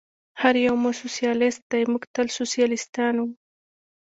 هر یو مو سوسیالیست دی، موږ تل سوسیالیستان و.